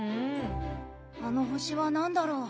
あの星は何だろう。